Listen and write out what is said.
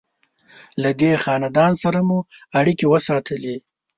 له دې خاندان سره مو اړیکې وساتلې.